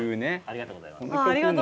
ありがとうございます。